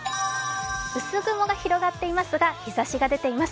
薄雲が広がっていますが、日ざしが出ています。